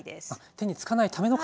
手につかないための片栗粉。